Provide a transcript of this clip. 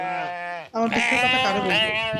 আমার দুঃখের কথা কারে বলব?